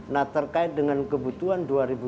nah terkait dengan kebutuhan